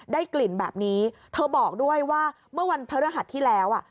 ได้กลิ่นแบบนี้เธอบอกด้วยว่าเมื่อวันพระรหัสที่แล้วอ่ะ